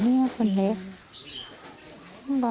ไม่เห็นไม่รู้